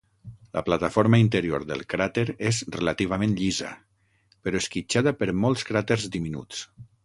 La plataforma interior del cràter és relativament llisa, però esquitxada per molts cràters diminuts.